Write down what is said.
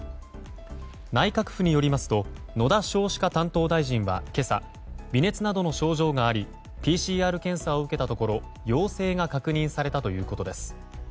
内閣府によりますと野田少子化担当大臣は今朝、微熱などの症状がありＰＣＲ検査を受けたところ陽性が確認されたということです。